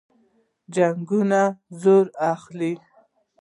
جنګونه زور واخلي.